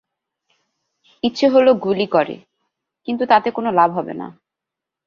ইচ্ছে হলো গুলি করে, কিন্তু জানে তাতে কোনো লাভ হবে না।